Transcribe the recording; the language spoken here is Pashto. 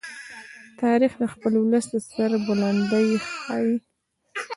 تاریخ د خپل ولس د سربلندۍ ښيي.